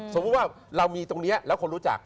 สมมุติว่าเรามีตรงนี้แล้วคนรู้จัก